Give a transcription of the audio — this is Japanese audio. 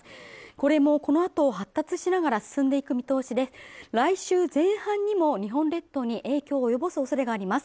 これもこのあと発達しながら進んでいく見通しで来週前半にも日本列島に影響を及ぼすおそれがあります